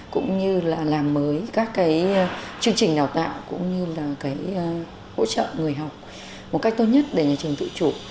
cũng như là làm mới các cái chương trình đào tạo cũng như là hỗ trợ người học một cách tốt nhất để nhà trường tự chủ